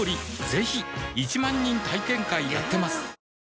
ぜひ１万人体験会やってますはぁ。